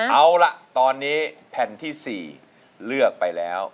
เอาล่ะตอนนี้แผ่นที่๔เลือกไปแล้ว